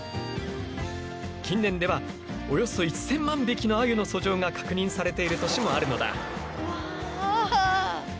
近年ではおよそ１，０００万匹のアユの遡上が確認されている年もあるのだ。